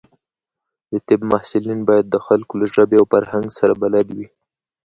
د طب محصلین باید د خلکو له ژبې او فرهنګ سره بلد وي.